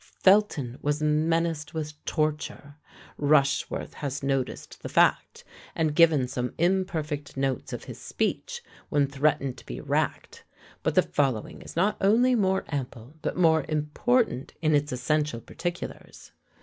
Felton was menaced with torture. Rushworth has noticed the fact, and given some imperfect notes of his speech, when threatened to be racked; but the following is not only more ample, but more important in its essential particulars.